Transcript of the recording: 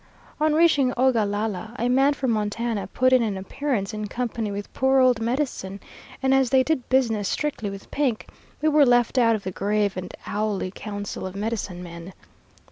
"On reaching Ogalalla, a man from Montana put in an appearance in company with poor old Medicine, and as they did business strictly with Pink, we were left out of the grave and owly council of medicine men.